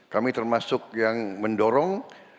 kami termasuk yang mendorong